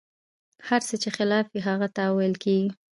هر څه چې خلاف وي، هغه تاویل کېږي.